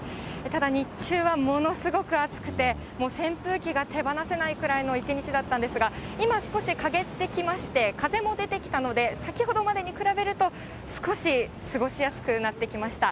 ただ日中はものすごく暑くて、もう扇風機が手放せないくらいの一日だったんですが、今、少し陰ってきまして、風も出てきたので、先ほどまでに比べると、少し過ごしやすくなってきました。